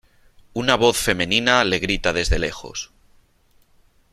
una voz femenina le grita desde lejos :